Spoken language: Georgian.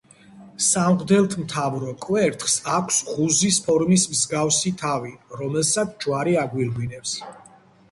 სამღვდელმთავრო კვერთხს აქვს ღუზის ფორმის მსგავსი თავი, რომელსაც ჯვარი აგვირგვინებს.